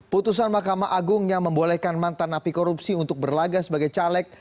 putusan mahkamah agung yang membolehkan mantan api korupsi untuk berlaga sebagai caleg